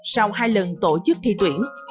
sau hai lần tổ chức thi tuyển